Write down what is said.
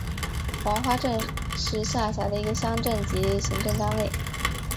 黄花镇是下辖的一个乡镇级行政单位。